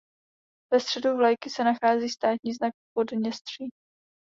Ve středu vlajky se nachází státní znak Podněstří.